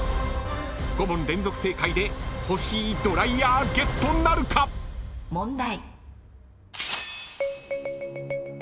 ［５問連続正解で欲しいドライヤーゲットなるか⁉］問題。